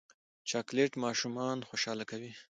چاکلېټ ماشومان خوشحاله کوي.